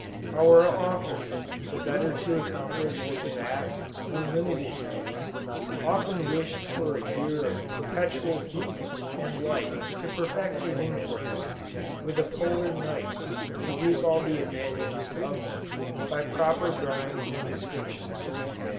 "Our author, the better to accomplish his vast, unlimited views, often wished for a year of perpetual heat and light to perfect his inquiries, with a polar night to reap all the advantages of them by proper drawings and descriptions."